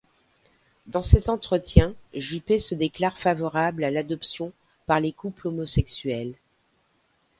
Dans cet entretien, Juppé se déclare favorable à l'adoption par les couples homosexuels.